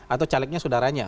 atau calegnya saudaranya